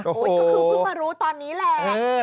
ก็คือเพิ่งมารู้ตอนนี้แหละ